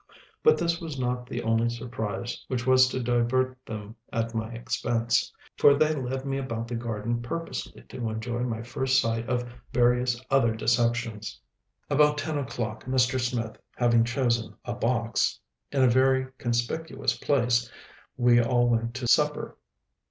But this was not the only surprise which was to divert them at my expense; for they led me about the garden purposely to enjoy my first sight of various other deceptions. About ten o'clock, Mr. Smith having chosen a box in a very conspicuous place, we all went to supper.